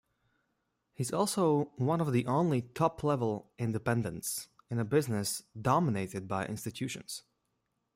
He's also one of the only top-level independents in a business dominated by institutions.